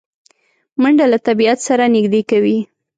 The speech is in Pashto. منډه له طبیعت سره نږدې کوي